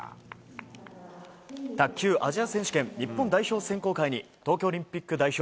卓球アジア選手権日本代表選考会に東京オリンピック代表